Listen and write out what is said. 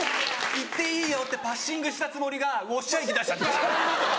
行っていいよってパッシングしたつもりがウォッシャー液出しちゃってバ！